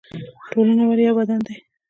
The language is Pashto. ټولنه ولې یو بدن دی؟